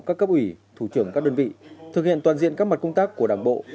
các cấp ủy thủ trưởng các đơn vị thực hiện toàn diện các mặt công tác của đảng bộ